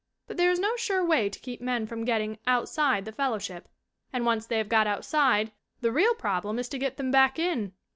But there is no sure way to keep men from getting "outside" the fellowship. And once they have got outside the real problem is to get them back in.